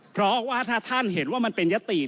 เพราะว่าถ้าท่านเห็นว่ามันเป็นยติ